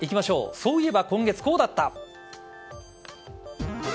そういえば今月こうだった。